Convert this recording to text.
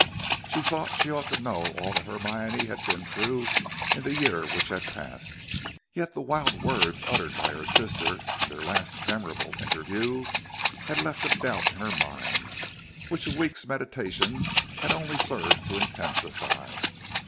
She thought she ought to know all that Hermione had been through in the year which had passed, yet the wild words uttered by her sister in their late memorable interview, had left a doubt in her mind which a week's meditations had only served to intensify.